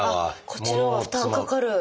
こっちのほうが負担かかる。